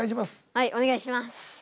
はいお願いします。